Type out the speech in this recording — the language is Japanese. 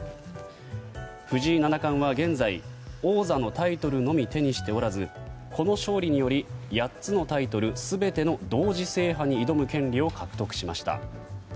藤井七冠は現在、王座のタイトルのみ手にしておらずこの勝利により８つのタイトル全ての同時制覇に挑む権利を獲得しました。